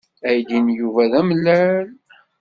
Aydi n Yuba d amellal.